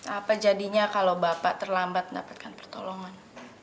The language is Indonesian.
apa jadinya kalau bapak terlambat mendapatkan pertolongan